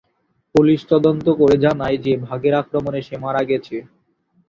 Police তদন্ত করে জানায় যে বাঘের আক্রমণে সে মারা গেছে।